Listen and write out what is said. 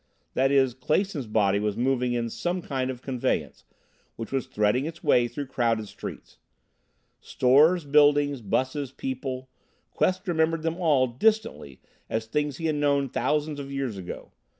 That is, Clason's body was moving in some kind of a conveyance, which was threading its way through crowded streets. Stores, buildings, buses, people Quest remembered them all distantly as things he had known thousands of years ago.